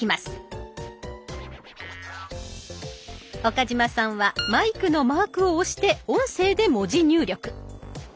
岡嶋さんはマイクのマークを押して音声で文字入力。